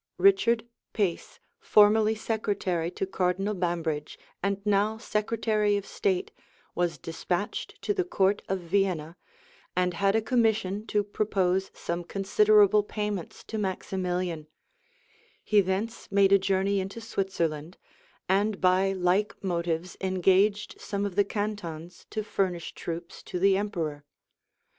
Richard Pace, formerly secretary to Cardinal Bambridge, and now secretary of state, was despatched to the court of Vienna, and had a commission to propose some considerable payments to Maximilian:[] he thence made a journey into Switzerland; and by like motives engaged some of the cantons to furnish troops to the emperor.